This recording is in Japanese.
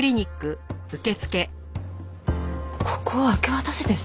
ここを明け渡せですって？